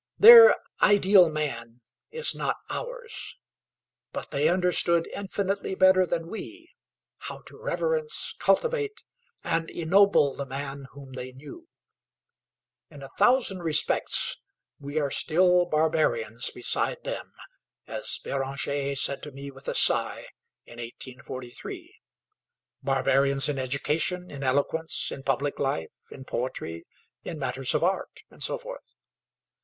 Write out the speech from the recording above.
Their ideal man is not ours; but they understood infinitely better than we, how to reverence, cultivate, and ennoble the man whom they knew. In a thousand respects we are still barbarians beside them, as Béranger said to me with a sigh in 1843: barbarians in education, in eloquence, in public life, in poetry, in matters of art, etc.